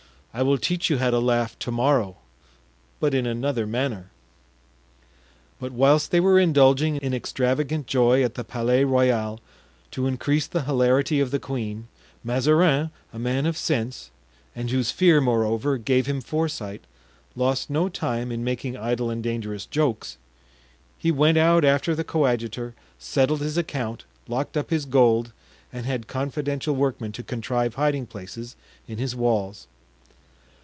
I will teach you how to laugh to morrow—but in another manner." But whilst they were indulging in extravagant joy at the Palais Royal, to increase the hilarity of the queen, Mazarin, a man of sense, and whose fear, moreover, gave him foresight, lost no time in making idle and dangerous jokes; he went out after the coadjutor, settled his account, locked up his gold, and had confidential workmen to contrive hiding places in his walls.